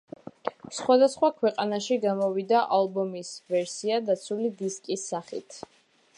სხვადასხვა ქვეყანაში გამოვიდა ალბომის ვერსია დაცული დისკის სახით.